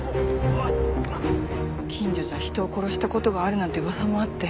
近所じゃ人を殺した事があるなんて噂もあって。